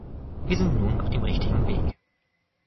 Wir sind nun auf dem richtigen Weg.